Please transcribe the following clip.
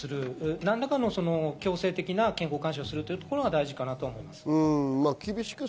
何らかの強制的な健康監視をするところが大事かなと思います。